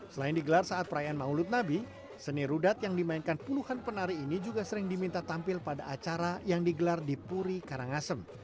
selain digelar saat perayaan maulid nabi seni rudat yang dimainkan puluhan penari ini juga sering diminta tampil pada acara yang digelar di puri karangasem